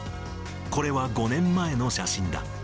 これは５年前の写真だ。